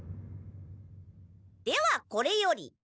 ではこれより。